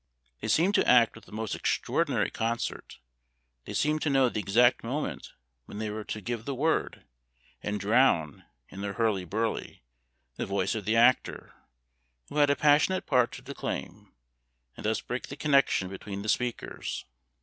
They seemed to act with the most extraordinary concert; they seemed to know the exact moment when they were to give the word, and drown, in their hurly burly, the voice of the actor, who had a passionate part to declaim, and thus break the connexion between the speakers.